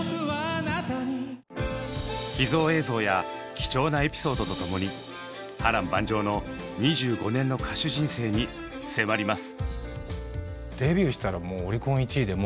秘蔵映像や貴重なエピソードと共に波乱万丈の２５年の歌手人生に迫ります。